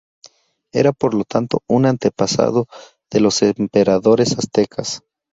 Era por lo tanto un antepasado de los emperadores aztecas.